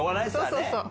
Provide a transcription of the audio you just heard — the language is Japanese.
そうそうそう。